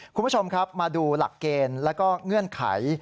คุณผู้ชมครับมาดูหลักเกณฑ์แล้วก็เงื่อนไข